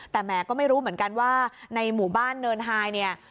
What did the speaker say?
แต่แหมก็ไม่รู้เหมือนกันว่าในหมู่บ้านเนินไฮเนี่ย